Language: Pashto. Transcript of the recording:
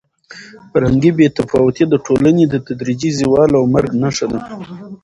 فرهنګي بې تفاوتي د ټولنې د تدریجي زوال او مرګ نښه ده.